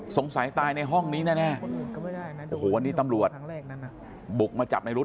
สงสัยตายในห้องนี้แน่โอ้โหวันนี้ตำรวจบุกมาจับในรุ๊